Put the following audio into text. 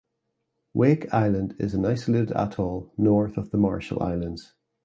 Wake Island is an isolated atoll north of the Marshall Islands.